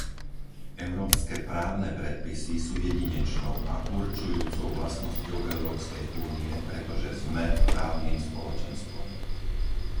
Európske právne predpisy sú jedinečnou a určujúcou vlastnosťou Európskej únie, pretože sme právnym spoločenstvom.